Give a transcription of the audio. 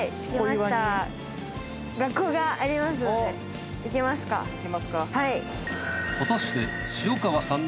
はい。